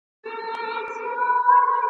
په ځاني شیانو کي و شمېرل سوه